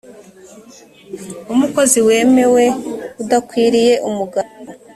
umukozi wemewe udakwiriye umugayo